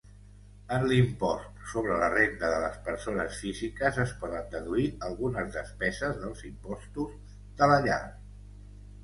En l'impost sobre la renda de les persones físiques es poden deduir algunes despeses dels impostos de la llar.